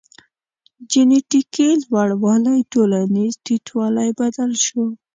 جنټیکي لوړوالی ټولنیز ټیټوالی بدل شو.